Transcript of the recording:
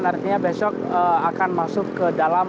dan nantinya besok akan masuk ke dalam